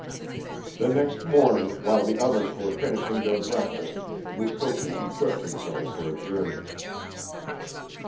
The next morning, while the others were finishing their breakfast, Mukoki equipped himself for a journey.